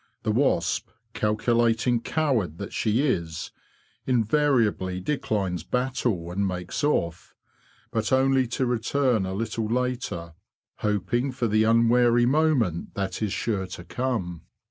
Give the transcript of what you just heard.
The wasp, calculating coward that she is, invariably declines battle, and makes off; but only to return a little later, hoping for the unwary moment that is sure to come.